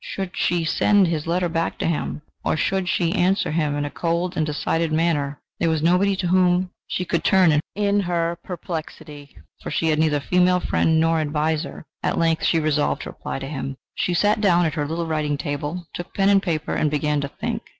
Should she send his letter back to him, or should she answer him in a cold and decided manner? There was nobody to whom she could turn in her perplexity, for she had neither female friend nor adviser... At length she resolved to reply to him. She sat down at her little writing table, took pen and paper, and began to think.